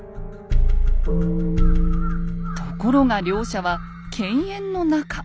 ところが両者は犬猿の仲。